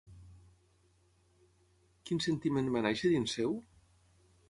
Quin sentiment va néixer dins seu?